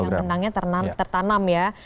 yang benangnya tertanam ya